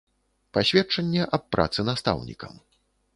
Пасведчанне аб працы настаўнікам.